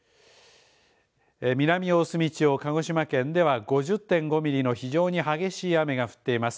南大隅地方、鹿児島県では５０．５ミリの非常に激しい雨が降っています。